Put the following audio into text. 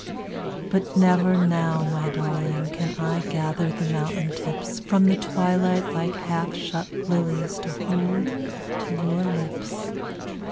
But never now, my darlingCan I gather the mountain tipsFrom the twilight like half shut liliesTo hold to your lips.